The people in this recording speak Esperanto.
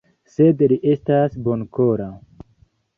Sed li estas bonkora.